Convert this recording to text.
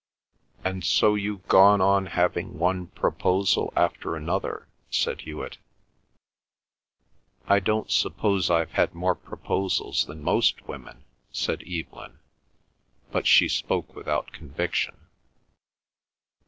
"And so you've gone on having one proposal after another," said Hewet. "I don't suppose I've had more proposals than most women," said Evelyn, but she spoke without conviction.